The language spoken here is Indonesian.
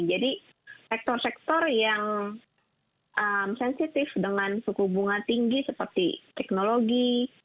jadi sektor sektor yang sensitif dengan suku bunga tinggi seperti teknologi